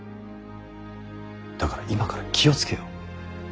だから今から気を付けよ。